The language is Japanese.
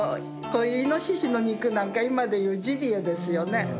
こういうイノシシの肉なんか今で言うジビエですよね。